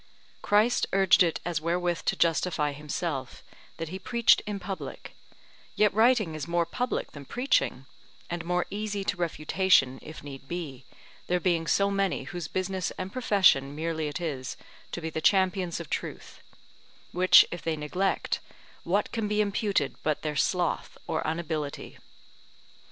Christ urged it as wherewith to justify himself, that he preached in public; yet writing is more public than preaching; and more easy to refutation, if need be, there being so many whose business and profession merely it is to be the champions of truth; which if they neglect, what can be imputed but their sloth, or unability?